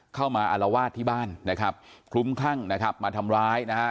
มาอารวาสที่บ้านนะครับคลุ้มคลั่งนะครับมาทำร้ายนะฮะ